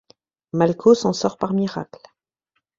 Malko s'en sort par miracle.